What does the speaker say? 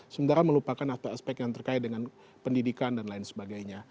sementara melupakan aspek aspek yang terkait dengan pendidikan dan lain sebagainya